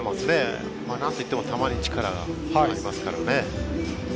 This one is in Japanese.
なんといっても球に力がありますからね。